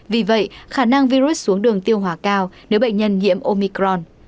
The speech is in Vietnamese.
vì vậy khả năng virus xuống đường tiêu hóa cao nếu bệnh nhân nhiễm omicron